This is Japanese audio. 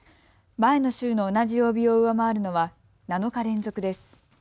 前の週の同じ曜日を上回るのは７日連続です。